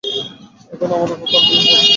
এখন আমার তার পুলিশ বউকে ভয় পেতে হবে?